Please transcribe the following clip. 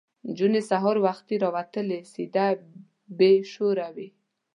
نجونې سهار وختي راوتلې سده بې شوره وه.